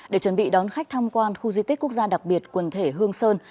để chuẩn bị đón khách tham quan khu di tích quốc gia đặc biệt quần thể hương sơn